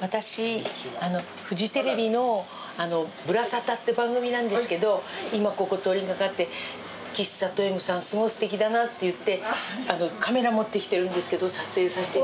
私フジテレビの『ぶらサタ』って番組なんですけど今ここ通り掛かって喫茶トエムさんすごいすてきだなって言ってカメラ持ってきてるんですけど撮影させて。